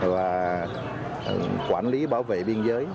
và quản lý bảo vệ biên giới